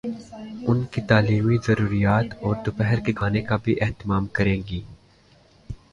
ان کی تعلیمی ضروریات اور دوپہر کے کھانے کا بھی اہتمام کریں گی۔